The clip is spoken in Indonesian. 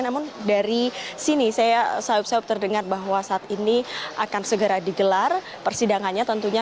namun dari sini saya sahab sahab terdengar bahwa saat ini akan segera digelar persidangannya